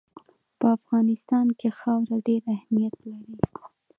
په افغانستان کې خاوره ډېر اهمیت لري.